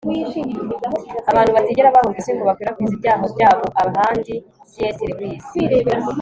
reka dusengere kugira ngo abantu batigera bahunga isi ngo bakwirakwize ibyaha byayo ahandi - c s lewis